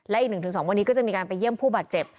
และอีก๑๒วันนี้ก็จะมีการไปเยี่ยมผู้บาดเจ็บ